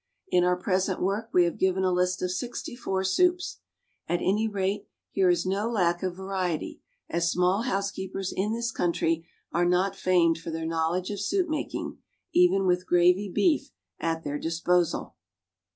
In our present work we have given a list of sixty four soups. At any rate, here is no lack of variety, as small housekeepers in this country are not famed for their knowledge of soup making, even with gravy beef at their disposal.